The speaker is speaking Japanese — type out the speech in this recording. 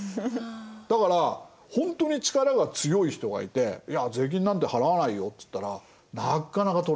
だからほんとに力が強い人がいて「いや税金なんて払わないよ」つったらなっかなか取れないんです。